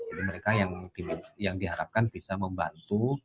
jadi mereka yang diharapkan bisa membantu